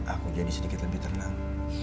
aku jadi sedikit lebih tenang